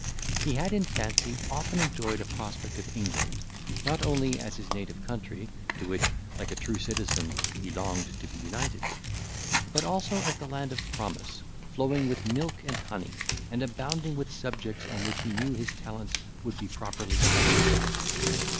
He had in fancy often enjoyed a prospect of England, not only as his native country, to which, like a true citizen, he longed to be united; but also as the land of promise, flowing with milk and honey, and abounding with subjects on which he knew his talents would be properly exercised.